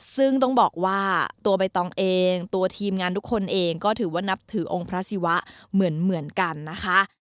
ซึ่งต้องบอกว่าตัวใบตองเองตัวทีมงานทุกคนเองก็ถือว่านับถือองค์พระศิวะเหมือนกันนะคะ